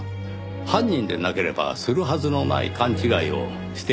犯人でなければするはずのない勘違いをしていたんです。